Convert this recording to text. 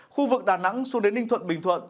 khu vực đà nẵng xuống đến ninh thuận bình thuận